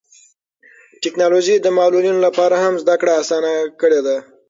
ټیکنالوژي د معلولینو لپاره هم زده کړه اسانه کړې ده.